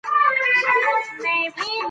کومې نظریې د ټولنیز واقعیت پیژندنې کې حساسې دي؟